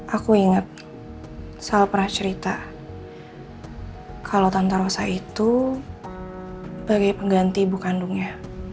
aku inget sal pernah cerita kalo tante rosa itu bagai pengganti ibu kandungnya